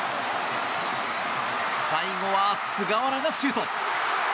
最後は菅原がシュート！